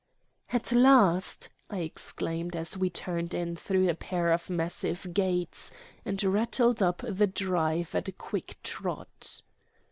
"At last!" I exclaimed as we turned in through a pair of massive gates and rattled up the drive at a quick trot.